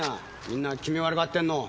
みんな気味悪がってんの。